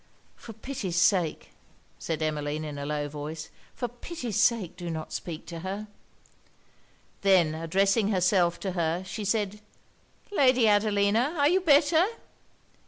'For pity's sake,' said Emmeline in a low voice 'for pity's sake do not speak to her.' Then addressing herself to her, she said 'Lady Adelina, are you better?'